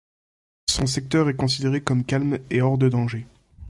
Son secteur est considéré comme calme et hors de danger.